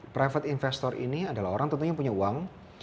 private investor ini adalah orang tentunya yang punya uang